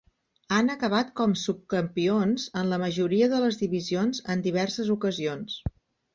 Han acabat com subcampions en la majoria de les divisions en diverses ocasions.